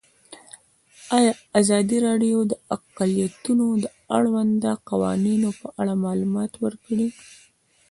ازادي راډیو د اقلیتونه د اړونده قوانینو په اړه معلومات ورکړي.